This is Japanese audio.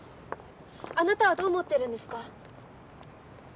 あなたはどう思ってるんですか？